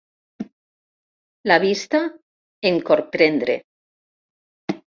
La vista em corprendre.